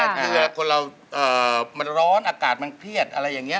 เผื่อคนเรามันร้อนอากาศมันเครียดอะไรอย่างนี้